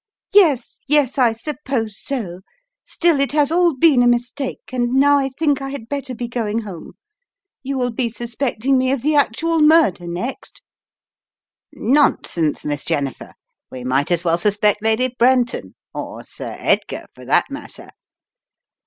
"Yes, yes, I suppose so; still, it has all been a mistake and now I think I had better be going home. You will be suspecting me of the actual murder next." "Nonsense, Miss Jennifer, we might as well suspect Lady Brenton, or Sir Edgar, for that mat ter."